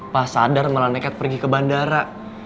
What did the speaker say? pas sadar malah nekat pergi ke bandara